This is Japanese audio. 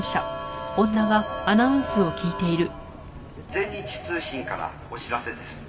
「全日通信からお知らせです」